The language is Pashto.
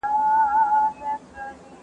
زه به سبا د کتابتون پاکوالی وکړم؟!